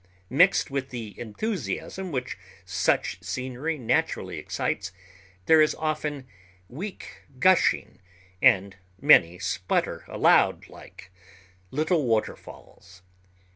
Mixed with the enthusiasm which such scenery naturally excites, there is often weak gushing, and many splutter aloud like little waterfalls.